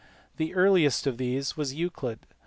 The earliest of these was Euclid.